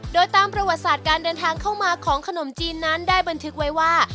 โดยตามประวัติศาสตร์การเดินทางเข้ามาของขนมจีนนั้นได้บันทึกไว้ว่า